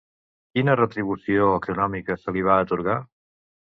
Quina retribució econòmica se li va atorgar?